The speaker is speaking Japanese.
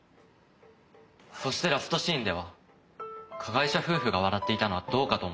そしてラストシーンでは加害者夫婦が笑っていたのはどうかと思いました。